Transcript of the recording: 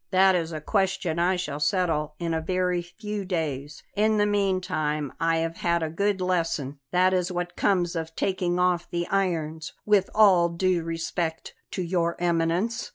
"That is a question I shall settle in a very few days. In the meantime I have had a good lesson. That is what comes of taking off the irons with all due respect to Your Eminence."